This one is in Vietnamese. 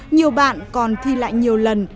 nhiều bạn còn thi lại nhiều lần